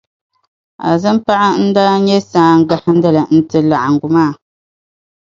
Azimpaɣa n-daa nyɛ saan'gahindili n-ti laɣingu maa